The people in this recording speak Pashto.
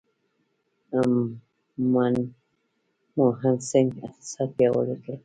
منموهن سینګ اقتصاد پیاوړی کړ.